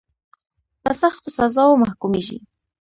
په سختو سزاوو محکومیږي.